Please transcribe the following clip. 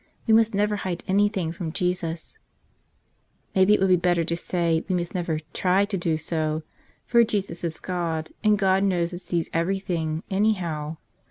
We must never hide anything from Jesus ! Maybe it would be better to say we must never try to do so ; for Jesus is God, and God knows and sees everything, anyhow.